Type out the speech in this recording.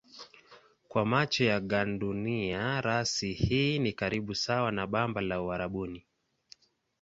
Kwa macho ya gandunia rasi hii ni karibu sawa na bamba la Uarabuni.